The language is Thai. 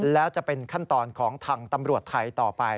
แล้วจะเป็นขั้นตอนของทางตำรวจไทยต่อไป